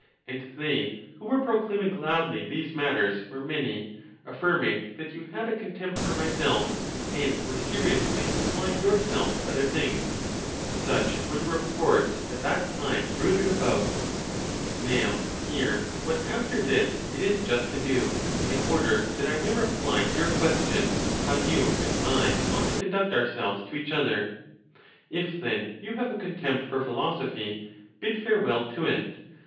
And they, who were proclaiming loudly these matters, were many, affirming that you had a contempt for myself, and were seriously apply ing yourself to other things. Such were the reports at that time bruited abroad. Now hear what after this it is just to do, in order that I may reply to your question, how you and I ought to conduct ourselves to each other. If then you have a contempt for philosophy, bid farewell to it.